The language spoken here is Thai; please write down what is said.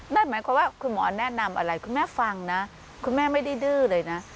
นั่นหมายความว่าคุณหมอแนะนำอะไรคุณแม่ฟังนะคุณแม่ไม่ได้ดื้อเลยนะ